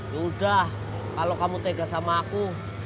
yaudah kalau kamu tegas sama aku